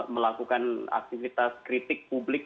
melakukan aktivitas kritik publik